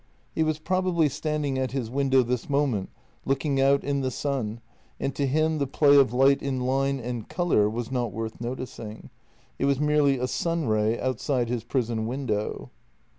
He was probably standing at his window this mo ment, looking out in the sun, and to him the play of light in line and colour was not worth noticing; it was merely a sunray outside his prison window.